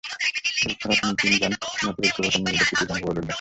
এছাড়াও তিনজন নথিভূক্ত ভোটার নিজেদের তৃতীয় লিঙ্গ বলে উল্লেখ করেছেন।